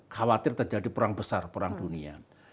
khawatir terjadi perang besar perang dunia